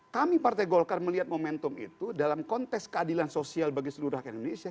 kami partai golkar melihat momentum itu dalam konteks keadilan sosial bagi seluruh rakyat indonesia